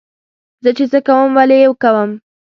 زه چې څه کوم ولې یې کوم.